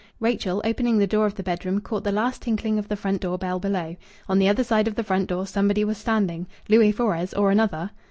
Rachel, opening the door of the bedroom, caught the last tinkling of the front door bell below. On the other side of the front door somebody was standing Louis Fores, or another!